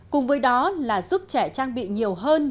cùng với đó là giúp trẻ trang bị nhiều hơn